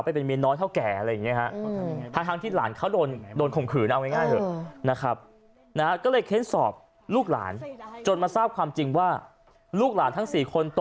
เป็นล้มเลยนะเป็นเอามาพึกไปเลยก็ทำช็อค